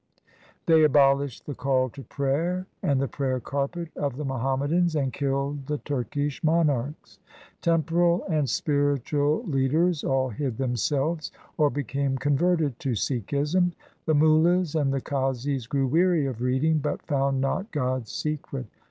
They abolished the call to prayer and the prayer carpet of the Muhammadans and killed the Turkish monarchs. Temporal and spiritual leaders all hid themselves or became converted to Sikhism. The Mullas and the Qazis grew weary of reading, but found not God's secret.